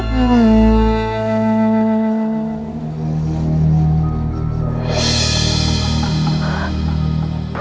putra hamba kian santan